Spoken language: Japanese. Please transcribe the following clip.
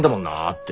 って。